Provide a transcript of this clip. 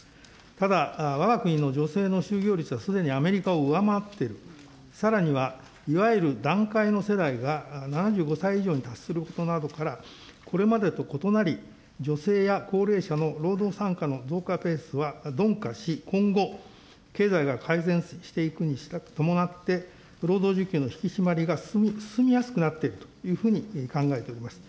ただ、わが国の女性の就業率はすでにアメリカを上回っている、さらにはいわゆる団塊の世代が７５歳以上に達することなどから、これまでと異なり、女性や高齢者の労働参加の増加ペースは鈍化し、今後、経済が改善していくに伴って、労働需給の引き締まりが進みやすくなっているというふうに考えております。